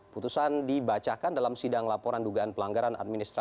putusan dibacakan dalam sidang laporan dugaan pelanggaran administratif